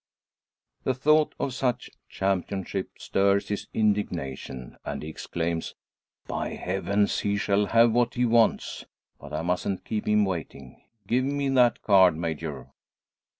The thought of such championship stirs his indignation, and he exclaims "By Heavens! he shall have what he wants. But I mustn't keep him waiting. Give me that card, Major!"